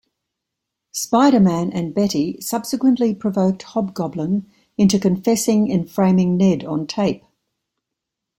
Spider-Man and Betty subsequently provoked Hobgoblin into confessing in framing Ned on tape.